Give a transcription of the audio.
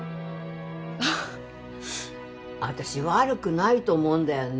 あっ私悪くないと思うんだよね